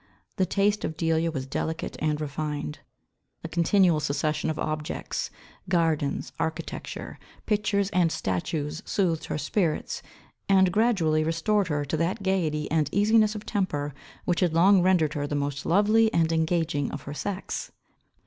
The taste of Delia was delicate and refined. A continual succession of objects; gardens, architecture, pictures and statues soothed her spirits, and gradually restored her to that gaiety and easiness of temper, which had long rendered her the most lovely and engaging of her sex.